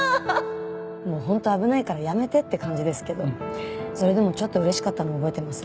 もう本当危ないからやめてって感じですけどそれでもちょっと嬉しかったのを覚えてます。